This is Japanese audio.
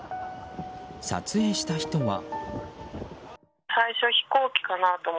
撮影した人は。